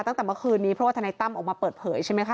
ตั้งแต่เมื่อคืนนี้เพราะว่าทนายตั้มออกมาเปิดเผยใช่ไหมคะ